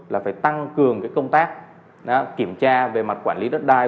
là phải tăng cường công tác kiểm tra về mặt quản lý đất đai